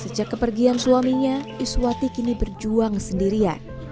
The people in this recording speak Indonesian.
sejak kepergian suaminya iswati kini berjuang sendirian